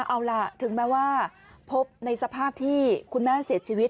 เอาล่ะถึงแม้ว่าพบในสภาพที่คุณแม่เสียชีวิต